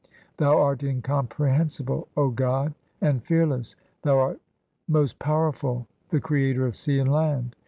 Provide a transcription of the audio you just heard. Thou art incomprehensible, O God, and fearless ; Thou art most powerful, the Creator of sea and land.